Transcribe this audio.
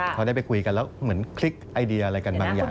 เขาได้ไปคุยกันแล้วเหมือนคลิกไอเดียอะไรกันบางอย่าง